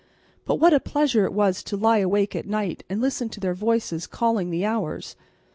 But what a pleasure it was to lie awake at night and listen to their voices calling the hours!